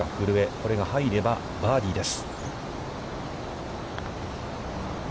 これが入れば、バーディーです。